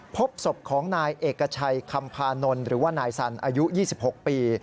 พบศพของนายเอกชัยคำพานนท์หรือว่านายสันอายุ๒๖ปี